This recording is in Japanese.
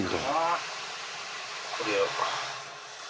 これを。